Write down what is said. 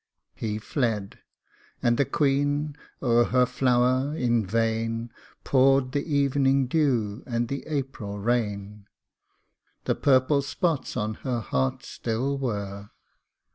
He fled and the queen o'er her flower in vain Poured the evening dew and the April rain, The purple spots on her heart still were.